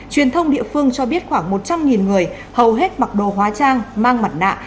truyền thông địa phương cho biết khoảng một trăm linh người hầu hết mặc đồ hóa trang mang mặt nạ